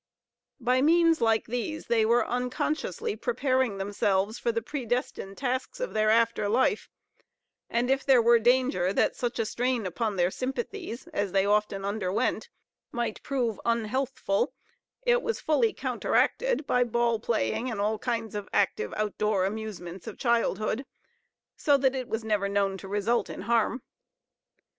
By means like these they were unconsciously preparing themselves for the predestined tasks of their after life; and if there were danger that such a strain upon their sympathies, as they often underwent, might prove unhealthful, it was fully counteracted by ball playing, and all kinds of active out door amusements of childhood, so that it was never known to result in harm.